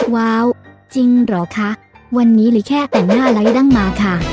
ว้าวจริงเหรอคะวันนี้หรือแค่แต่งหน้าไลค์ดั้งมาค่ะ